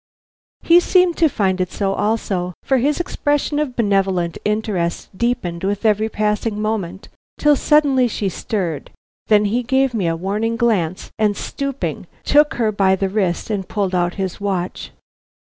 He seemed to find it so also, for his expression of benevolent interest deepened with every passing moment, till suddenly she stirred; then he gave me a warning glance, and stooping, took her by the wrist and pulled out his watch.